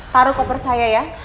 taruh koper saya ya